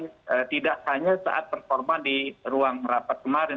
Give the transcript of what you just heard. tapi tidak hanya saat performa di ruang rapat kemarin